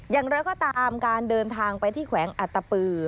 อย่างไรก็ตามการเดินทางไปที่แขวงอัตตปือ